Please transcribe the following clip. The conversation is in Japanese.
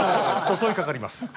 襲いかかります。